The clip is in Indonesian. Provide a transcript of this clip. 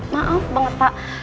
maaf banget pak